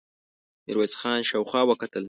ميرويس خان شاوخوا وکتل.